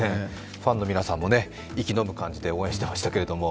ファンの皆さんも息をのむ感じで見ていましたけれども。